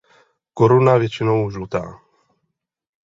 Koruna většinou žlutá.